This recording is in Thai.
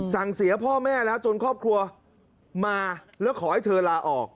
เสียพ่อแม่แล้วจนครอบครัวมาแล้วขอให้เธอลาออก